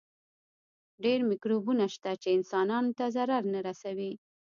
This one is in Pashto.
ډېر مکروبونه شته چې انسانانو ته ضرر نه رسوي.